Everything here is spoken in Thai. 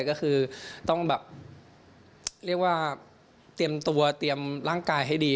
ก็คือต้องแบบเรียกว่าเตรียมตัวเตรียมร่างกายให้ดี